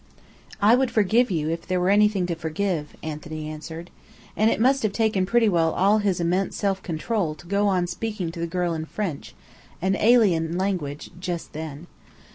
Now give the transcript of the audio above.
"I would forgive you, if there were anything to forgive," Anthony answered. And it must have taken pretty well all his immense self control to go on speaking to the girl in French an alien language just then.